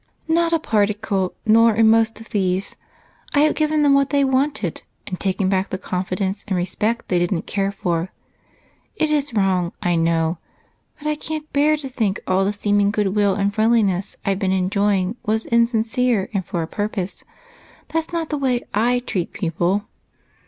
"Not a particle, nor in most of these. I have given them what they wanted and taken back the confidence and respect they didn't care for. It is wrong, I know, but I can't bear to think all the seeming goodwill and friendliness I've been enjoying was insincere and for a purpose. That's not the way I treat people."